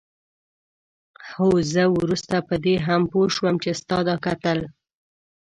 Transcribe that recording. هو زه وروسته په دې هم پوه شوم چې ستا دا کتل.